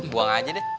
buang aja deh